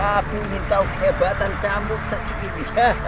aku ingin tahu kehebatan cambuk segini